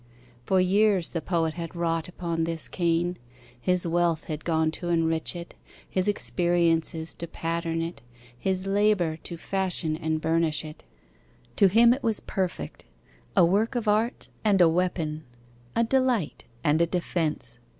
For years the Poet had wrought upon this cane. His wealth had gone to enrich it, His experiences to pattern it, His labour to fashion and burnish it. To him it was perfect, A work of art and a weapon, A delight and a defence.